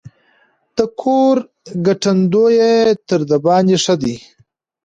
د کور ګټندويه تر دباندي ښه دی.